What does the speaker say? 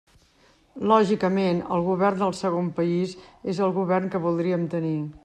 Lògicament, el govern del segon país és el govern que voldríem tenir.